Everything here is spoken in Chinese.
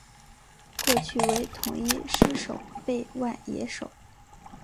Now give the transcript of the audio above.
过去为统一狮守备外野手。